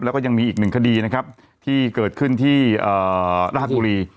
แล้วก็ยังมีอีกหนึ่งคดีนะครับที่เกิดขึ้นที่ราชบุรี